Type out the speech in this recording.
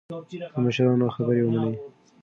د مشرانو خبره ومنئ.